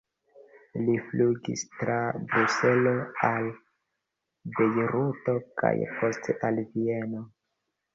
Li flugis tra Bruselo al Bejruto kaj poste al Vieno.